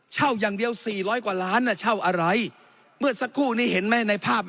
เช่าอย่างเดียวสี่ร้อยกว่าล้านน่ะเช่าอะไรเมื่อสักครู่นี้เห็นไหมในภาพ